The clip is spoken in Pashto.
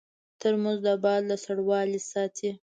ترموز د باد له سړوالي ساتي.